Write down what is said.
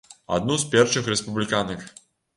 Адну з першых рэспубліканак.